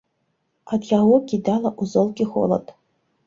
Ад яго кідала ў золкі холад.